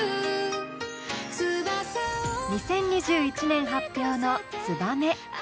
２０２１年発表の「ツバメ」。